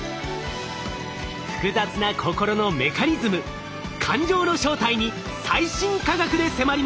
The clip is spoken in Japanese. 複雑な心のメカニズム感情の正体に最新科学で迫ります。